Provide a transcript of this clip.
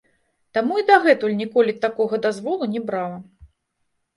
Таму і дагэтуль ніколі такога дазволу не брала.